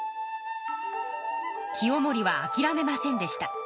清盛はあきらめませんでした。